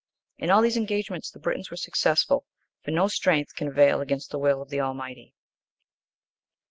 In all these engagements the Britons were successful. For no strength can avail against the will of the Almighty.